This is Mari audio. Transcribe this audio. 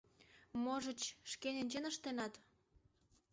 Можыч, шке ненчен ыштенат.